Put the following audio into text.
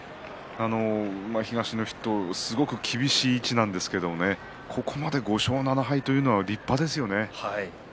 東の筆頭はすごく厳しい位置なんですがここまでで５勝７敗は立派ですね。